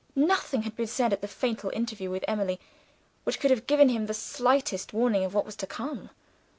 Nothing had been said at the fatal interview with Emily, which could have given him the slightest warning of what was to come.